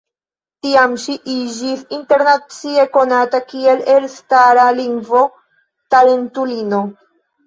Tiam ŝi iĝis internacie konata kiel elstara lingvo-talentulino.